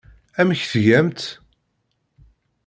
Amek tgamt?